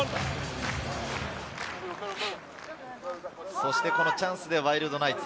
そしてチャンスでワイルドナイツ。